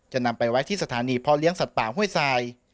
นำไปไว้ที่สถานีพ่อเลี้ยสัตว์ป่าห้วยทราย